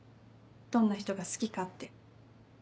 どんな人が好きかって。